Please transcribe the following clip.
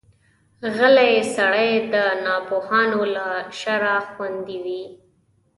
غلی سړی، د ناپوهانو له شره خوندي وي.